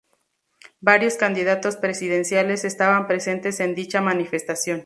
Varios candidatos presidenciales estaban presentes en dicha manifestación.